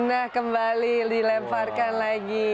nah kembali dilemparkan lagi